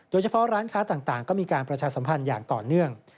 โดยเฉพาะร้านค้าต่างก็มีการประชาสัมพันธ์อย่างต่อเนื่อง